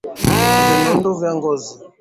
vinundu vya ngozi